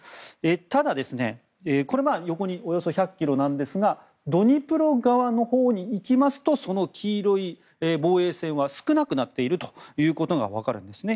ただ、横におよそ１００ｋｍなんですがドニプロ川のほうに行きますとその黄色い防衛線は少なくなっているということがわかるんですね。